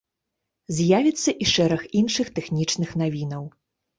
З'явіцца і шэраг іншых тэхнічных навінаў.